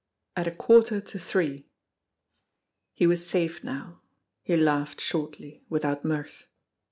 XX AT A QUARTER TO THREE HE was safe now. He laughed shortly, without mirth.